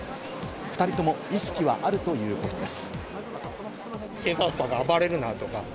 ２人とも意識はあるということです。